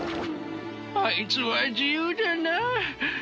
あいつは自由だなあ。